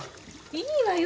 いいわよ